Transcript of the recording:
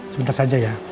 sebentar saja ya